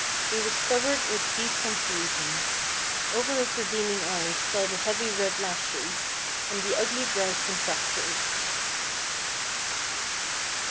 He was covered with deep confusion. Over his redeeming eyes fell the heavy red lashes, and the ugly brows contracted.